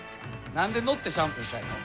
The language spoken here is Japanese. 何で乗ってシャンプーしたいの？